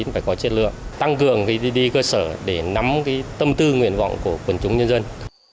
phải có chất lượng tăng cường đi cơ sở để nắm tâm tư nguyện vọng của quần chúng nhân dân